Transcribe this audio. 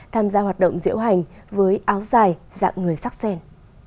tham gia hoạt động diễu hành với áo dài dạng người sắc sen